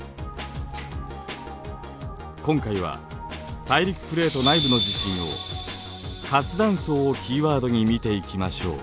今回は大陸プレート内部の地震を「活断層」をキーワードに見ていきましょう。